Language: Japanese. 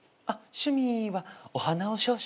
趣味はお花を少々。